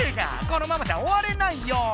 このままじゃおわれないよ！